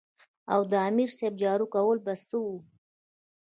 او د امیر صېب جارو کول به څۀ وو ـ